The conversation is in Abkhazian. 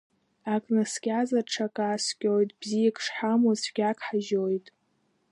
Ак наскьазар, ҽак ааскьоит, бзиак шҳамоу цәгьак ҳажьоит.